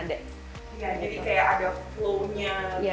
ya jadi kayak ada flow nya gitu ya